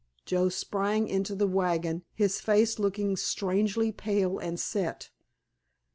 Joe sprang into the wagon, his face looking strangely pale and set.